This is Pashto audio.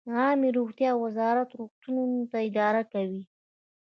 عامې روغتیا وزارت روغتونونه اداره کوي